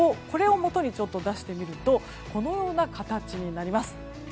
これをもとに出してみるとこのような形になります。